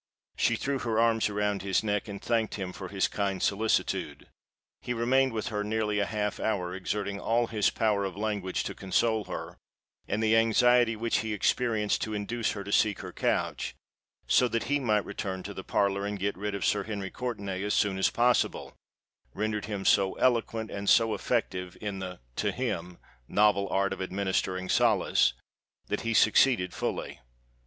She threw her arms around his neck, and thanked him for his kind solicitude. He remained with her nearly half an hour, exerting all his power of language to console her; and the anxiety which he experienced to induce her to seek her couch, so that he might return to the parlour and get rid of Sir Henry Courtenay as soon as possible, rendered him so eloquent and so effective in the (to him) novel art of administering solace, that he succeeded fully.